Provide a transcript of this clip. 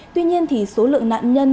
tuy nhiên số lượng nạn nhân